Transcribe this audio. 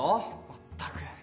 まったく！